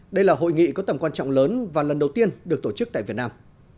đây là hội nghị có tầm quan trọng lớn và lần đầu tiên được tổ chức tại việt nam